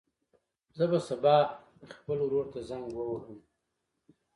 زه به سبا خپل ورور ته زنګ ووهم.